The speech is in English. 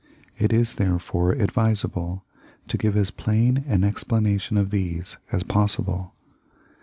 It is, therefore, advisable to give as plain an explanation of these as possible.